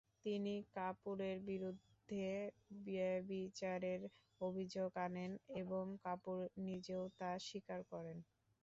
তিনি কাপুরের বিরুদ্ধে ব্যভিচারের অভিযোগ আনেন এবং কাপুর নিজেও তা স্বীকার করেন।